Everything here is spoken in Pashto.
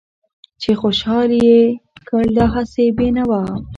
چې خوشحال يې کړ دا هسې بې نوا